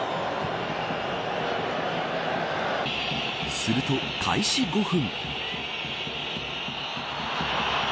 すると開始５分。